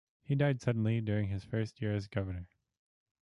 He died suddenly during his first year as governor.